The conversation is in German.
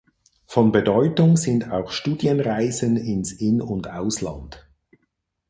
Von Bedeutung sind auch Studienreisen ins In- und Ausland.